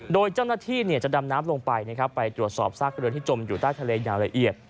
โดยเจ้าหน้าที่จะดำน้ำลงไปไปตรวจสอบซากเรือที่จมอยู่ใต้ทะเลอย่างละเอียด